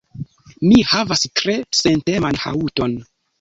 Mi havas tre senteman haŭton.